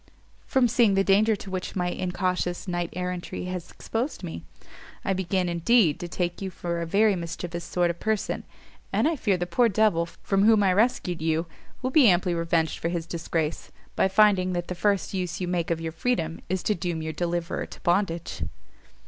"From seeing the danger to which my incautious knight errantry has exposed me; I begin, indeed, to take you for a very mischievous sort of person, and I fear the poor devil from whom I rescued you will be amply revenged for his disgrace, by finding that the first use you make of your freedom is to doom your deliverer to bondage."